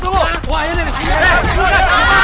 tolong aku diperkosa tolong